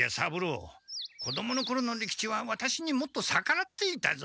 子どものころの利吉はワタシにもっとさからっていたぞ。